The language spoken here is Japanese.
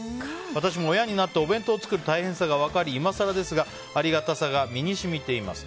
私も親になってお弁当を作る大変さが分かり今更ですがありがたさが身に染みています。